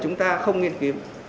chúng ta không nghiên cứu